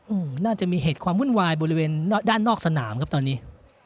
อืมน่าจะมีเหตุความวุ่นวายบริเวณด้านนอกสนามครับตอนนี้